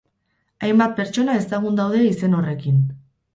Hainbat pertsona ezagun daude izen horrekin.